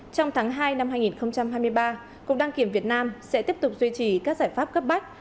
trong tháng hai năm hai nghìn hai mươi ba cục đăng kiểm việt nam sẽ tiếp tục duy trì các giải pháp cấp bách